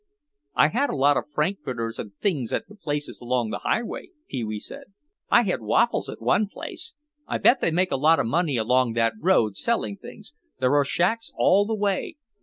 "I had a lot of frankfurters and things at the places along the highway," Pee wee said. "I had waffles at one place. I bet they make a lot of money along that road selling things. There are shacks all the way.